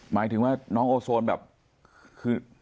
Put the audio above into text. หมายถึงว่าน้องโอโซนแบบคือ